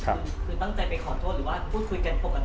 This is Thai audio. คือตั้งใจไปขอโทษหรือว่าพูดคุยกันปกติ